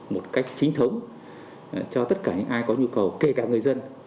một cách chính thống cho tất cả những ai có nhu cầu kể cả người dân